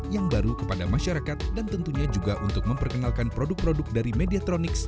yang baru kepada masyarakat dan tentunya juga untuk memperkenalkan produk produk dari mediatronics